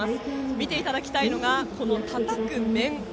見ていただきたいのがこの、たたく面。